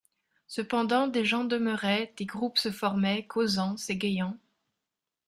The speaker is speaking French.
Cependant, des gens demeuraient, des groupes se formaient, causant, s'égayant.